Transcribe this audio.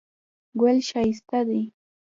ګل ښایسته دی